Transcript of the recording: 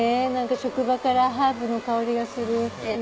職場からハーブの香りがするって。